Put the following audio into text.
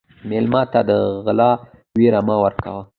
مېلمه ته د غلا وېره مه ورکوه.